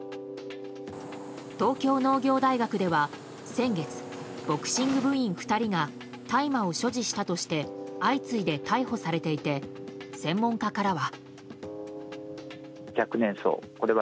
東京農業大学では先月ボクシング部員２人が大麻を所持したとして相次いで逮捕されていて専門家からは。